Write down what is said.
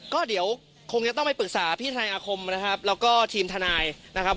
ก็เดี๋ยวคงจะต้องไปปรึกษาพี่ทนายอาคมนะครับแล้วก็ทีมทนายนะครับ